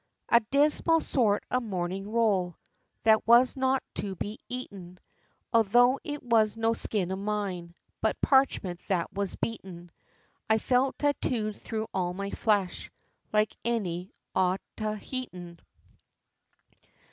IV. A dismal sort of morning roll, That was not to be eaten; Although it was no skin of mine, But parchment that was beaten, I felt tattooed through all my flesh, Like any Otaheitan.